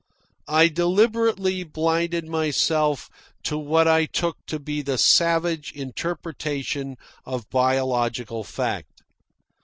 I deliberately blinded myself to what I took to be the savage interpretation of biological fact.